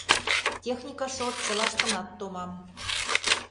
Техника шот чылаштынат томам.